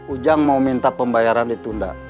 ujang mau minta pembayaran ditunda